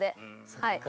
そっか。